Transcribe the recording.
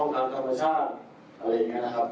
ถ้าทำรอดถึงโคร่